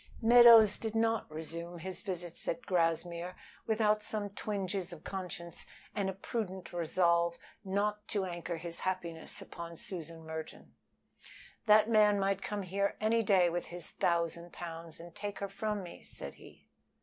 Meadows did not resume his visits at Grassmere without some twinges of conscience and a prudent resolve not to anchor his happiness upon Susan Merton. "That man might come here any day with his thousand pounds and take her from me," said he.